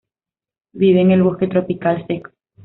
Vive en el bosque tropical seco.